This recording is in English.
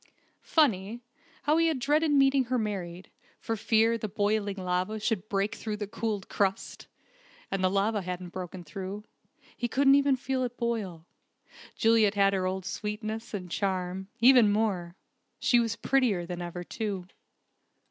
Funny, how he had dreaded meeting her married, for fear the boiling lava should break through the cooled crust! And the lava hadn't broken through. He couldn't even feel it boil. Juliet had her old sweetness, and charm even more. She was prettier than ever, too.